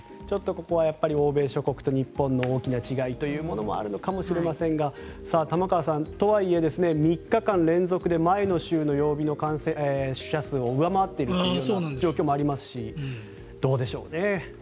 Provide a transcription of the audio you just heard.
ここは欧米諸国と日本の大きな違いというのもあるかもしれませんが玉川さん、とはいえ３日間連続で前の週の死者数を上回っているという状況もありますしどうでしょうね。